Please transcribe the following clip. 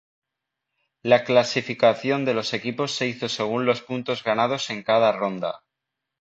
La clasificación de los equipos se hizo según los puntos ganados en cada ronda.